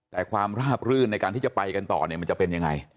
แต่ความราบรื่นในการที่จะไปกันต่อเนี่ยมันจะเป็นยังไง